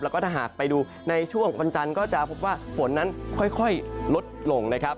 แล้วก็ถ้าหากไปดูในช่วงวันจันทร์ก็จะพบว่าฝนนั้นค่อยลดลงนะครับ